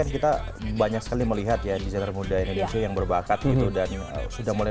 kita banyak sekali melihat ya disenengmudi indonesia yang berbakat itu dan sudah mulai